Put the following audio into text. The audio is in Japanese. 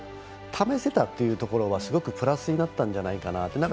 試せたっていうところは、すごくプラスになったんじゃないかなって。